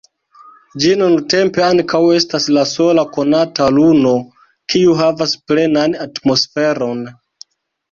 Ĝi nuntempe ankaŭ estas la sola konata luno, kiu havas plenan atmosferon.